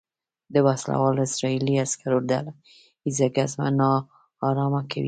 د وسلوالو اسرائیلي عسکرو ډله ییزه ګزمه نا ارامه کوي.